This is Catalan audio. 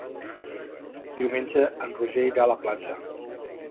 Diumenge en Roger irà a la platja.